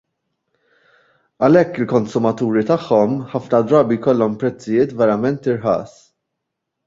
Għalhekk il-konsumaturi tagħhom, ħafna drabi jkollhom prezzijiet verament irħas.